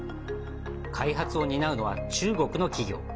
開発を担うのは中国の企業。